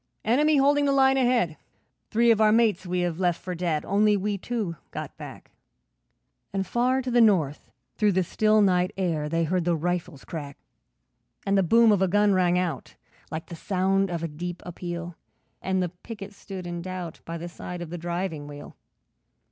'Enemy holding the line ahead, Three of our mates we have left for dead, Only we two got back.' And far to the north through the still night air, They heard the rifles crack. And the boom of a gun rang out, Like the sound of a deep appeal, And the picket stood in doubt By the side of the driving wheel.